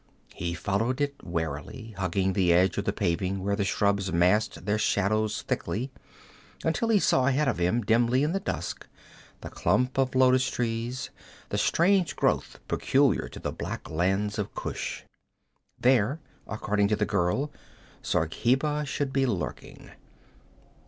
He followed it warily, hugging the edge of the paving where the shrubs massed their shadows thickly, until he saw ahead of him, dimly in the dusk, the clump of lotus trees, the strange growth peculiar to the black lands of Kush. There, according to the girl, Zargheba should be lurking.